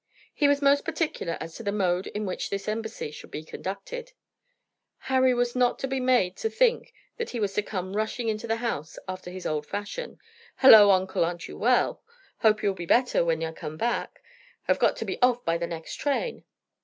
He was most particular as to the mode in which this embassy should be conducted. Harry was not to be made to think that he was to come rushing into the house after his old fashion, "Halloo, uncle, aren't you well? Hope you'll be better when I come back. Have got to be off by the next train."